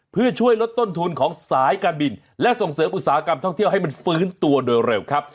เพื่อช่วยลดต้นทุนของสายการบินและส่งเสริมอุตสาหกรรมท่องเที่ยวให้มันฟื้นตัวโดยเร็วครับ